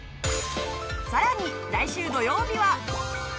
さらに来週土曜日は。